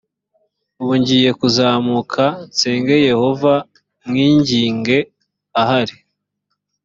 ubu ngiye kuzamuka nsange yehova mwinginge ahari